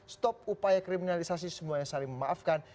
stop upaya kriminalisasi semuanya saling memaafkan